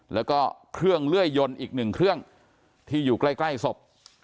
แล้วก็เครื่องเลื่อยยนต์อีกหนึ่งเครื่องที่อยู่ใกล้ศพ